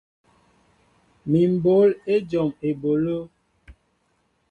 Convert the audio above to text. Mi mɓǒl éjom eɓólo.